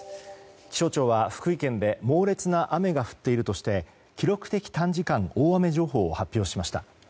気象庁は福井県で猛烈な雨が降っているとして記録的短時間大雨情報を発表しました。